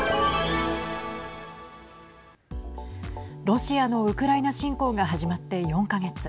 ロシアのウクライナ侵攻が始まって４か月。